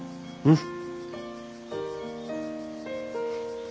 うん。